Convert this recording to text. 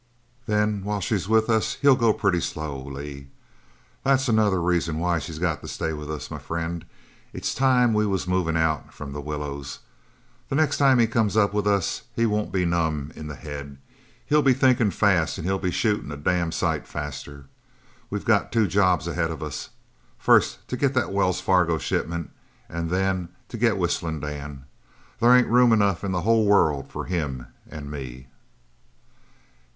"Then while she's with us he'll go pretty slow. Lee, that's another reason why she's got to stay with us. My frien', it's time we was moving out from the willows. The next time he comes up with us he won't be numb in the head. He'll be thinkin' fast an' he'll be shootin' a damn sight faster. We got two jobs ahead of us first to get that Wells Fargo shipment, and then to get Whistling Dan. There ain't room enough in the whole world for him and me."